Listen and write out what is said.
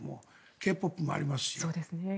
Ｋ−ＰＯＰもありますし。